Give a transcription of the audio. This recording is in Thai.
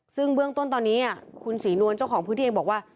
ซึ่งเบื้องต้นตอนนี้คุณศรีนวลเจ้าของพื้นที่เองบอกว่า